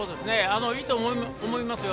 いいと思いますよ。